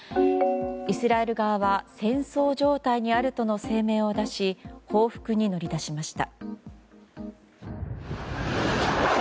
イスラエル側は戦争状態にあるとの声明を出し報復に乗り出しました。